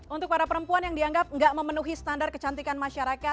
untuk para perempuan yang dianggap tidak memenuhi standar kecantikan masyarakat